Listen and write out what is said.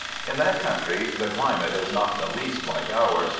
In that country, the climate is not the least like ours.